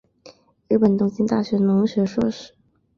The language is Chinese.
日本东京大学农学硕士。